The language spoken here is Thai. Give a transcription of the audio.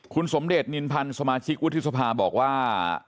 คุณสมเดชนินพันธ์สมาชิกวุฒิสภาบอกว่า